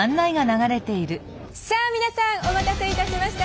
さあ皆さんお待たせいたしました